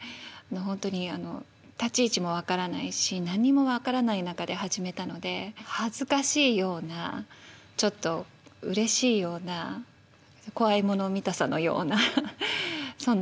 本当にあの立ち位置も分からないし何にも分からない中で始めたので恥ずかしいようなちょっとうれしいような怖いもの見たさのようなそんな気分です。